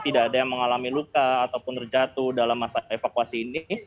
tidak ada yang mengalami luka ataupun terjatuh dalam masa evakuasi ini